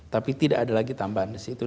tapi tidak ada lagi tambahan di situ